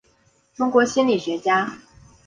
中国心理学家。